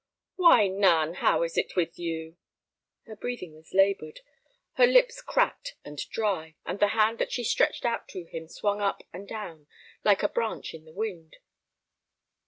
"Why, Nan, how is it with you?" Her breathing was labored, her lips cracked and dry, and the hand that she stretched out to him swung up and down, like a branch in the wind.